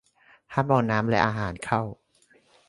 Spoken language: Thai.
ห้ามเอาน้ำและอาหารเข้า